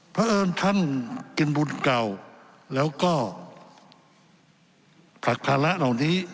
เพราะเอิญท่านกินบุญเก่าแล้วก็ผลักภาระเหล่านี้